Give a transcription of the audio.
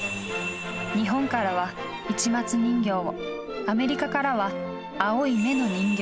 日本からは市松人形をアメリカからは青い目の人形